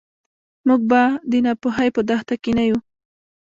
موږ به د ناپوهۍ په دښته کې نه یو.